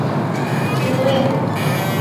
Imweri